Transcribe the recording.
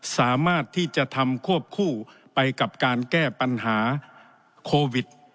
สามารถที่จะทำควบคู่ไปกับการแก้ปัญหาโควิด